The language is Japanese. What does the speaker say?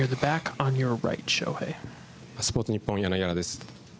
スポーツニッポンです。